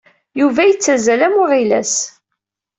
Yuba yettazzal am uɣilas.